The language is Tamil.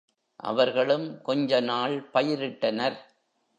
அவர்களும் கொஞ்ச நாள் பயிரிட்டனர்.